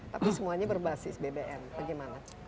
tapi semuanya berbasis bbm bagaimana